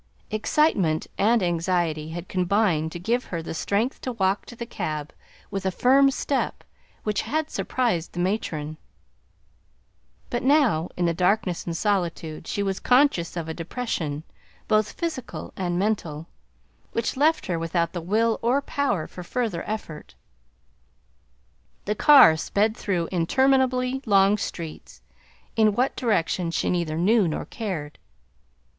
Excitement and anxiety had combined to give her the strength to walk to the cab with a firm step which had surprised the matron; but now, in the darkness and solitude, she was conscious of a depression, both physical and mental, which left her without the will or power for further effort. The car sped through interminably long streets in what direction she neither knew nor cared.